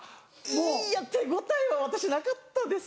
いや手応えは私なかったです。